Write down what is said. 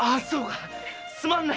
すまんな。